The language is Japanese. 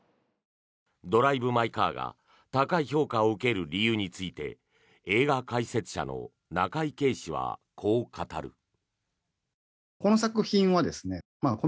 「ドライブ・マイ・カー」が高い評価を受ける理由について映画解説者の中井圭氏はこう語る。